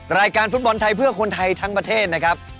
รายการฟุตบอลไทยเพื่อคนไทยทั้งประเทศนะครับ